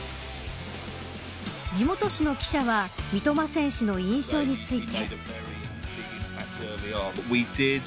地元紙の記者は三笘選手の印象について。